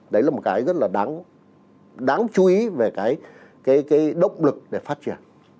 đấy là một cái rất là đáng chú ý về cái động lực để phát triển